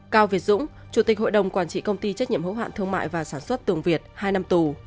cao việt dũng chủ tịch hội đồng quản trị công ty trách nhiệm hữu hạn thương mại và sản xuất tường việt hai năm tù